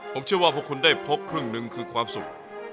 ผมเชื่อว่าพวกคุณได้พกครึ่งหนึ่งคือความสุข